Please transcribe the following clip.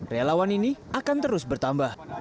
relawan ini akan terus bertambah